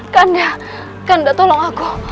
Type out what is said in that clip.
kanda kanda tolong aku